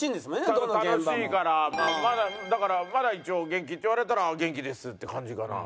ちゃんと楽しいからだからまだ一応「元気？」って言われたら「元気です」って感じかな。